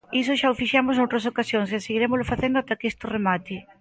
Iso xa o fixemos noutras ocasións e seguirémolo facendo ata que isto remate.